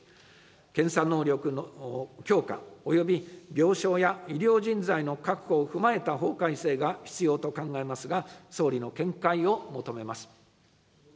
検査能力の強化および病床や医療人材の確保を踏まえた法改正が必要と考えますが、総理の見解を求めます。